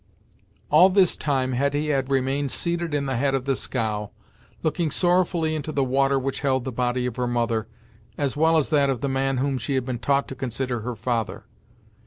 All this time Hetty had remained seated in the head of the scow, looking sorrowfully into the water which held the body of her mother, as well as that of the man whom she had been taught to consider her father.